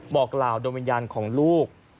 บอกกล่าวดวงวิญญาณของลูก